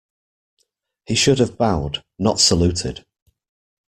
He should have bowed, not saluted